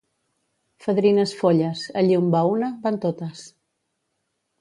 Fadrines folles, allí on va una, van totes.